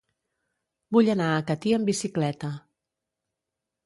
Vull anar a Catí amb bicicleta.